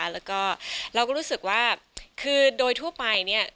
แล้วก็เราก็รู้สึกว่าคือโดยทั่วไปเนี่ย